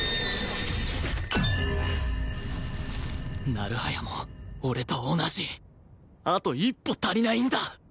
成早も俺と同じあと一歩足りないんだ